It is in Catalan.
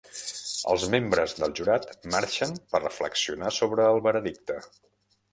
Els membres del jurat marxen per reflexionar sobre el veredicte.